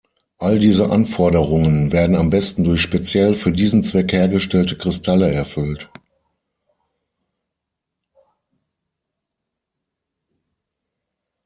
All diese Anforderungen werden am besten durch speziell für diesen Zweck hergestellte Kristalle erfüllt.